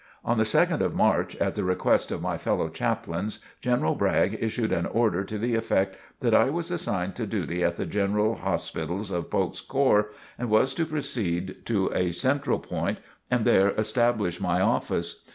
On the 2nd of March, at the request of my fellow chaplains, General Bragg issued an order to the effect that I was assigned to duty at the general hospitals of Polk's corps, and was to proceed to a central point and there establish my office.